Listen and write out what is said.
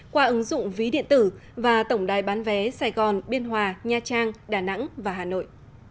qua ứng dụng ví điện tử và tổng đài bán vé sài gòn biên hòa nha trang đà nẵng và hà nội